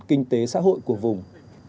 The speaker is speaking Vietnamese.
kinh tế xã hội của vùng